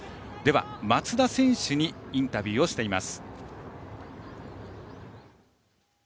松田選手にインタビューをしています。